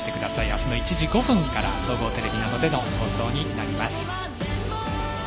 明日の１時５分から総合テレビでの放送になります。